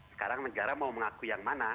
sekarang negara mau mengakui yang mana